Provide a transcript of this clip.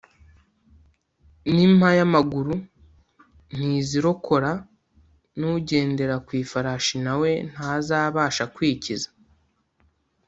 n’impayamaguru ntizīrokora n’ugendera ku ifarashi na we ntazabasha kwikiza